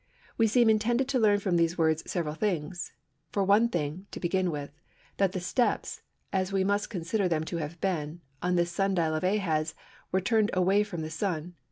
We seem intended to learn from these words several things. For one thing (to begin with) that the steps (as we must consider them to have been) on this sun dial of Ahaz, were turned away from the Sun.